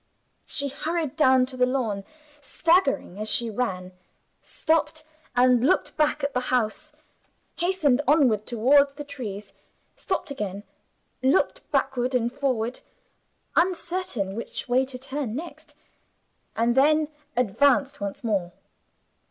She hurried down to the lawn, staggering as she ran stopped, and looked back at the house hastened onward toward the trees stopped again, looking backward and forward, uncertain which way to turn next and then advanced once more.